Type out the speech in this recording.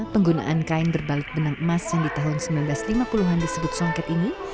penggunaan kain berbalut benang emas yang di tahun seribu sembilan ratus lima puluh an disebut songket ini